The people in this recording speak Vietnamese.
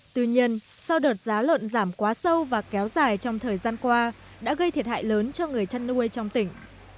tuy nhiên sau đợt giá lợn giảm quá sâu và kéo dài trong thời gian qua đã gây thiệt hại lớn cho người chăn nuôi trong tỉnh